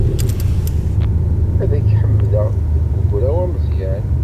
Ad k-ḥemdeɣ deg ugraw ameẓẓyan.